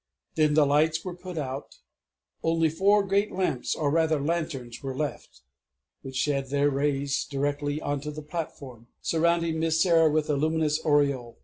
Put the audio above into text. Then the lights were put out: only four great lamps, or rather lanterns, were left, which shed their rays directly onto the platform, surrounding Miss Sarah with a luminous aureole.